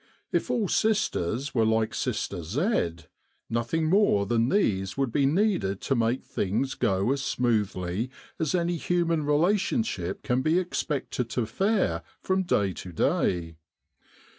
If all sisters were like Sister Z , nothing more than these would be needed to make things go as smoothly as any human relation ship can be expected to fare from day to day.